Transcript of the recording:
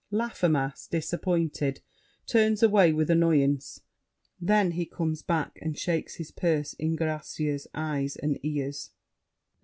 [Laffemas, disappointed, turns away with annoyance; then he comes back and shakes his purse in Gracieux's eyes and ears.